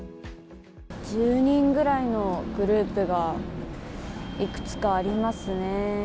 １０人ぐらいのグループがいくつかありますね。